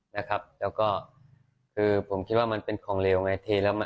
นะครับแล้วก็คือผมคิดว่ามันเป็นของเลวไงเทแล้วมา